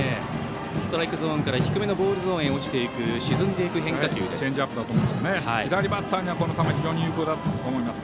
ストライクゾーンから低めのボールゾーンへ落ちていく沈んでいく変化球です。